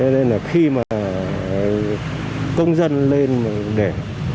nên là khi mà công dân lên để